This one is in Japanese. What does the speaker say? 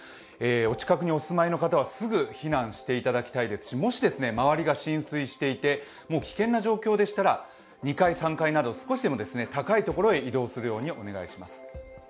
お近くにお住まいの方はすぐ避難していただきたいですし、もし周りが浸水していてもう危険な状況でしたら２階、３階など、少しでも高いところへの移動をお願いします。